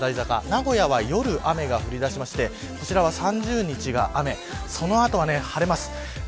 名古屋は夜雨が降り出しましてこちらは３０日が雨・その後は晴れます。